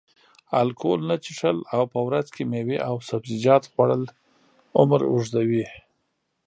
الکول نه څښل او په ورځ کې میوې او سبزیجات خوړل عمر اوږدوي.